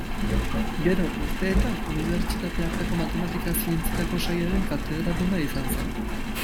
Gero, urteetan, Unibertsitate hartako Matematika Zientzietako Sailaren katedraduna izan zen.